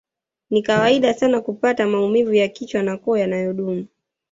Ni kawaida sana kupata maumivu ya kichwa na koo yanayodumu